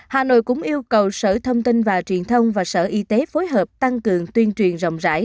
hà nội cũng yêu cầu sở thông tin và truyền thông và sở y tế phối hợp tăng cường tuyên truyền rộng rãi